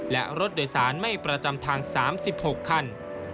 และรถโดยสารไม่ประจำทาง๓๖คัน